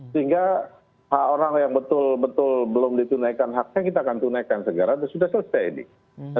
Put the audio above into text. sehingga hak orang yang betul betul belum ditunaikan haknya kita akan tunaikan segera dan sudah selesai ini